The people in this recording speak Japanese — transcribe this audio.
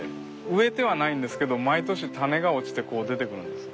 植えてはないんですけど毎年種が落ちてこう出てくるんです。